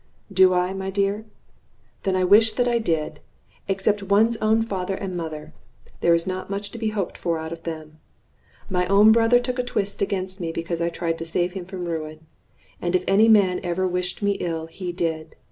"Do I, my dear? Then I wish that I did. Except one's own father and mother, there is not much to be hoped for out of them. My own brother took a twist against me because I tried to save him from ruin; and if any man ever wished me ill, he did.